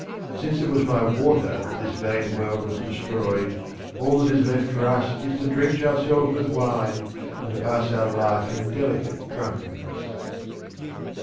Since it was by water that this vain world was destroyed, all that is left for us is to drench ourselves with wine, and to pass our life in delicate drunken ness.